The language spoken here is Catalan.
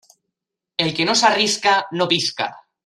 El que no s'arrisca no pisca.